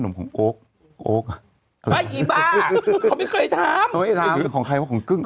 เป็นของใครเอาของเกื้อง